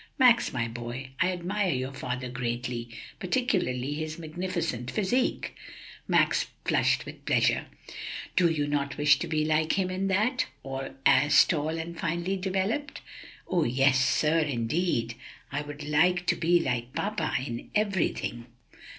"Max, my boy, I admire your father greatly, particularly his magnificent physique." Max flushed with pleasure. "Do you not wish to be like him in that? as tall and finely developed?" "Yes, sir; yes, indeed! I want to be like papa in everything!"